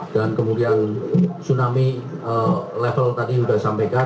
dan kemudian tsunami level tadi sudah disampaikan